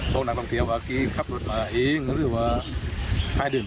ตรงนักตรงเทียวเขาก็ขับรถมาเอง